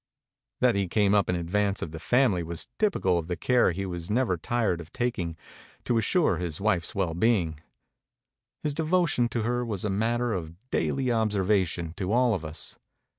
That he came up in advance of the family was typical of the care he was never tired of taking to assure his wife's well being. His de votion to her was a matter of daily observation to all of us.